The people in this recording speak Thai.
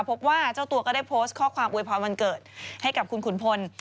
พบว่าเจ้าตัวก็ได้โพสต์ข้อความอวยพรวันเกิดให้กับคุณขุนพล